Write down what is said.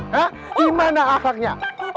hah gimana akaknya